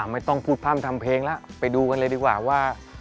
ไม่ต้องพูดพร่ำทำเพลงแล้วไปดูกันเลยดีกว่าว่า